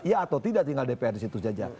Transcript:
iya atau tidak tinggal dpr di situ saja